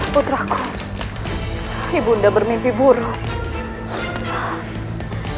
putraku ibu unda bermimpi buruk